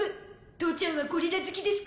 父ちゃんはゴリラ好きですから。